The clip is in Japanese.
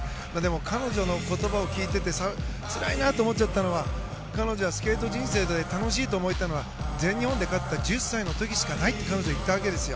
彼女の言葉を聞いていてつらいと思っちゃったのは彼女はスケート人生で楽しいと思ったのは全日本で勝った１０歳の時しかないと彼女は言ったんです。